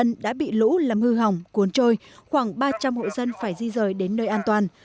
hộ dân đã bị lũ làm hư hỏng cuốn trôi khoảng ba trăm linh hộ dân phải di rời đến nơi an toàn